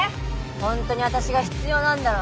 ホントに私が必要なんだろうな？